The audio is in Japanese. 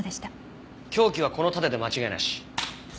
凶器はこの盾で間違いなし。